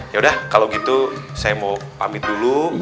ya udah kalau gitu saya mau pamit dulu